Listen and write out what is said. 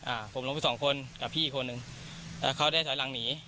อ่าผมล้มไปสองคนกับพี่อีกคนนึงแล้วเขาได้ถอยหลังหนี